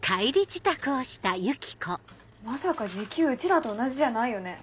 まさか時給うちらと同じじゃないよね？